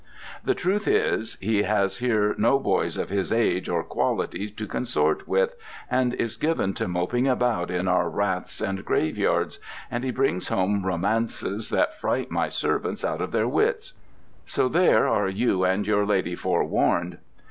The truth is, he has here no boys of his age or quality to consort with, and is given to moping about in our raths and graveyards: and he brings home romances that fright my servants out of their wits. So there are you and your lady forewarned."